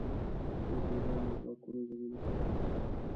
د ناپېژاندو ځواکونو زمینه برابرېږي.